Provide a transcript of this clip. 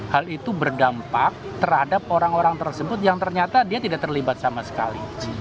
hal itu berdampak terhadap orang orang tersebut yang ternyata dia tidak terlibat sama sekali